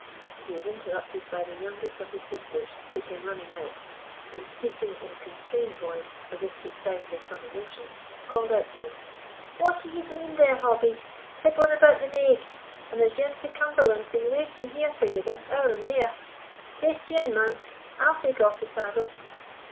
He was interrupted by the youngest of his sisters, who came running out, and, speaking in a constrained voice, as if to stifle some emotion, called out to him, "What are ye doing there, Hobbie, fiddling about the naig, and there's ane frae Cumberland been waiting here for ye this hour and mair? Haste ye in, man; I'll take off the saddle."